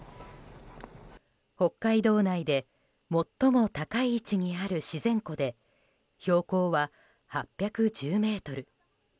北海道内で最も高い位置にある自然湖で標高は８１０ｍ。